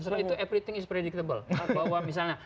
justru itu everything is predictable bahwa misalnya